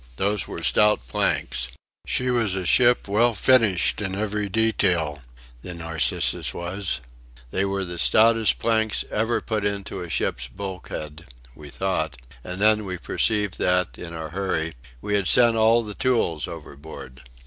Those were stout planks. She was a ship, well finished in every detail the Narcissus was. They were the stoutest planks ever put into a ship's bulkhead we thought and then we perceived that, in our hurry, we had sent all the tools overboard.